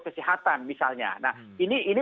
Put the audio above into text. kesehatan misalnya nah ini